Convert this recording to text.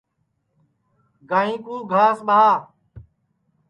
گائیں کُو گھاس ٻاہ